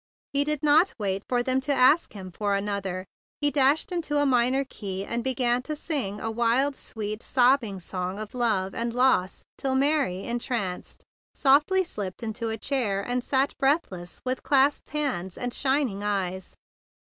He did not wait for them to ask him for another ; he dashed into a minor key, and began to sing a wild, sweet, sob¬ bing song of love and loss till Mary, entranced, softly slipped into a chair, and sat breathless with clasped hands and shining eyes.